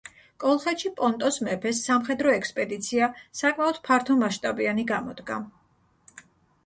კოლხეთში პონტოს მეფეს სამხედრო ექსპედიცია საკმაოდ ფართომასშტაბიანი გამოდგა.